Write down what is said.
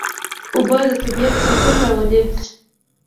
اوبه د طبیعت سکون راولي.